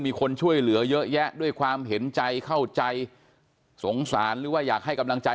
มีคนช่วยเหลือเยอะแยะด้วยความเห็นใจเข้าใจสงสารหรือว่าอยากให้กำลังใจ